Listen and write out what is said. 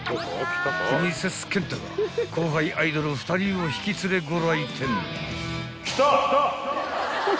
［プリンセスケンタが後輩アイドル２人を引き連れご来店］